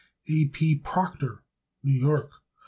A. P. Proctor, New York.